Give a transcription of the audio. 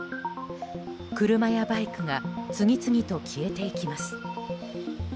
車やバイクが次々と消えていきます。